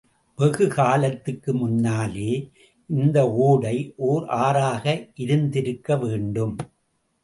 வெகு காலத்துக்கு முன்னாலே, இந்த ஓடை ஓர் ஆறாக இருந்திருக்க வேண்டும்.